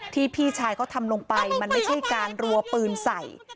พี่ชายเขาทำลงไปมันไม่ใช่การรัวปืนใส่